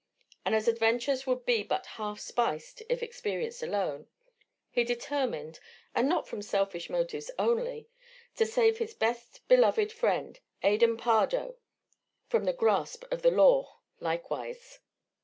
And as adventures would be but half spiced if experienced alone, he determined and not from selfish motives only to save his best beloved friend, Adan Pardo, from the grasp of the law likewise.